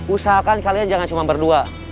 usahakan kalian jangan cuma berdua